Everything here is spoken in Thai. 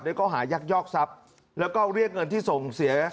ข้อหายักยอกทรัพย์แล้วก็เรียกเงินที่ส่งเสีย